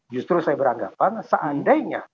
justru saya beranggapan seandainya